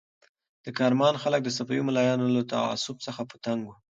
د کرمان خلک د صفوي ملایانو له تعصب څخه په تنګ وو.